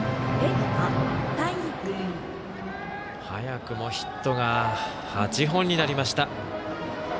早くもヒットが８本になりました。